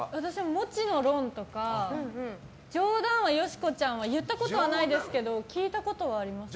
モチのロンとか冗談はよしこちゃんは言ったことはないですけど聞いたことはありますね。